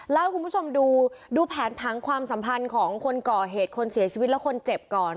ให้คุณผู้ชมดูดูแผนผังความสัมพันธ์ของคนก่อเหตุคนเสียชีวิตและคนเจ็บก่อน